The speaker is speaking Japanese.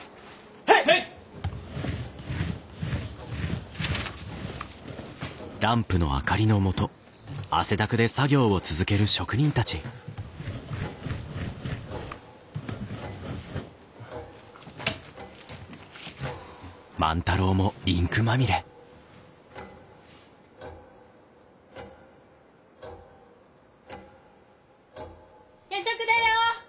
へい！・夜食だよ！